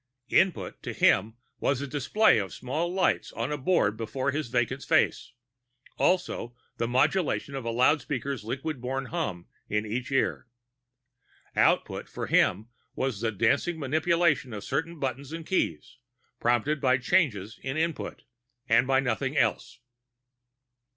Input to him was a display of small lights on a board before his vacant face; and also the modulation of a loudspeaker's liquid borne hum in each ear. Output from him was the dancing manipulation of certain buttons and keys, prompted by changes in Input and by nothing else.